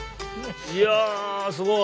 いやすごい。